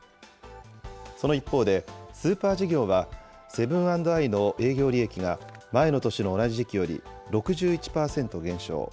その一方で、スーパー事業はセブン＆アイの営業利益が前の年の同じ時期より６１％減少。